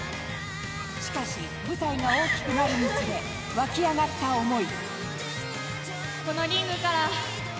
しかし、舞台が大きくなるにつれ湧き上がった思い。